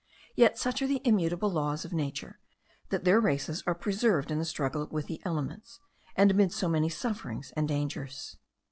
Yet, such are the immutable laws of nature, that their races are preserved in the struggle with the elements, and amid so many sufferings and dangers.